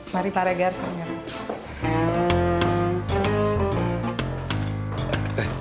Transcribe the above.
mari pak regar kau nyampe